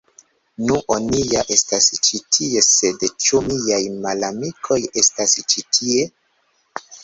Nu.. Oni ja estas ĉi tie sed ĉu miaj malamikoj estas ĉi tie?